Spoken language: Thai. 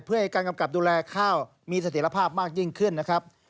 เพื่อให้การกำกับดูแลข้าวมีเสถียรภาพมากยิ่งขึ้นนะครับ